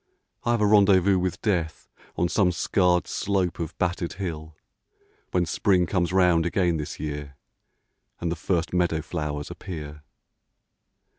I have a rendezvous with Death On some scarred slope of battered hill, When Spring comes round again this year And the first meadow flowers appear.